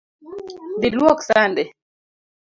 Dhi luok sande